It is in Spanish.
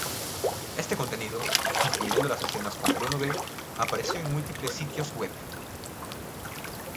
Este contenido, incluyendo escenas con Bruno B, apareció en múltiples sitios web.